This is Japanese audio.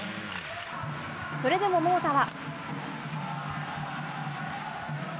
それでも桃田は。